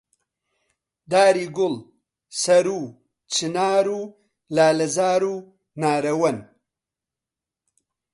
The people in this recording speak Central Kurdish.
داری گوڵ، سەرو و چنار و لالەزار و نارەوەن